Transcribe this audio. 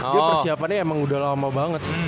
dia persiapannya emang udah lama banget